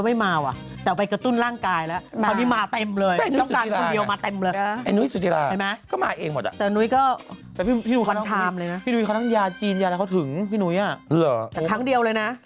วันไทม์นะวันไทม์นางบอกทุกรายการนะ